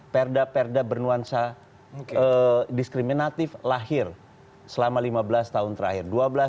perda perda bernuansa diskriminatif lahir selama lima belas tahun terakhir